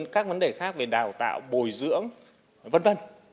các vấn đề khác về đào tạo bồi dưỡng v v